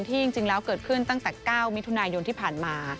จริงแล้วเกิดขึ้นตั้งแต่๙มิถุนายนที่ผ่านมา